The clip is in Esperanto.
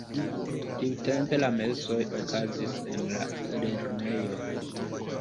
Tiutempe la mesoj okazis en la lernejo.